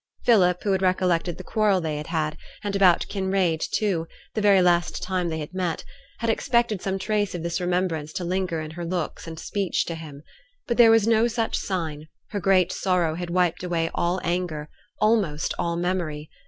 Philip, who had recollected the quarrel they had had, and about Kinraid too, the very last time they had met, had expected some trace of this remembrance to linger in her looks and speech to him. But there was no such sign; her great sorrow had wiped away all anger, almost all memory.